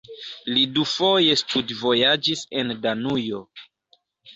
Li dufoje studvojaĝis en Danujo.